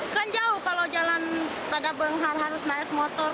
kan jauh kalau jalan pada benghang harus naik motor